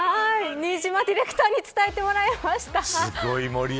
新島ディレクターに伝えてもらいました。